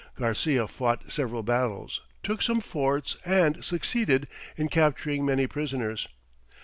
Garcia fought several battles, took some forts and succeeded in capturing many prisoners.